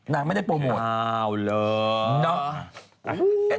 นางไม่ได้โปรโมทอ้าวเหรอ